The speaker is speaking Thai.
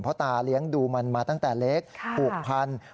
เพราะตาเลี้ยงดูมันมาตั้งแต่เล็กผูกพัน